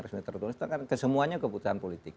resmi tertulis itu kan kesemuanya keputusan politik